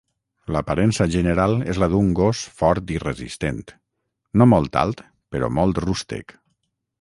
L'aparença general és la d'un gos fort i resistent, no molt alt però molt rústec.